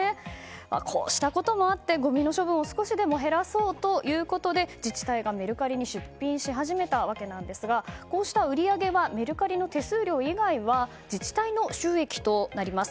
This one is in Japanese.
こうしたこともあってごみの処分を少しでも減らそうということで自治体がメルカリに出品し始めたわけですがこうした売り上げはメルカリの手数料以外は自治体の収益となります。